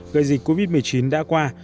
gây dịch covid một mươi chín đã qua